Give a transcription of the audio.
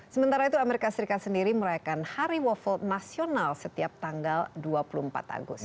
sementara itu amerika serikat sendiri merayakan hari waffle nasional setiap tanggal dua puluh empat agustus